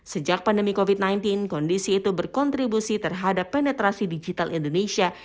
sejak pandemi covid sembilan belas kondisi itu berkontribusi terhadap penetrasi digital indonesia